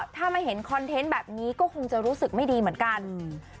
ถ้าไม่เห็นคอนเทนต์แบบนี้ก็คงจะรู้สึกไม่ดีเหมือนกันอืม